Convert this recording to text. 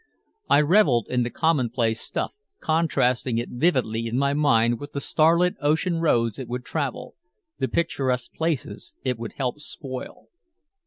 I reveled in the commonplace stuff, contrasting it vividly in my mind with the starlit ocean roads it would travel, the picturesque places it would help spoil.